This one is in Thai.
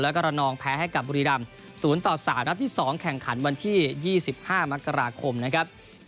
แล้วก็ระนองแพ้ให้กับบุรีดำศูนย์ต่อสามนัดที่สองแข่งขันวันที่ยี่สิบห้ามกราคมนะครับ